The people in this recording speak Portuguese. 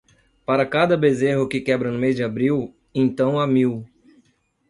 Para cada bezerro que quebra no mês de abril, então há mil.